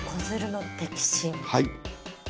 はい。